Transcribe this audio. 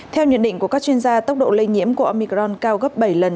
theo nhận định của các chuyên gia tốc độ lây nhiễm của omicron cao gấp bảy lần